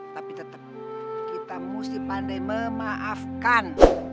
tapi tetap kita mesti pandai memaafkan